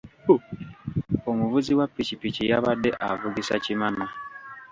Omuvuzi wa ppikipiki yabadde avugisa kimama.